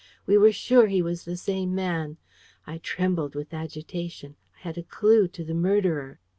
We were sure he was the same man. I trembled with agitation. I had a clue to the murderer!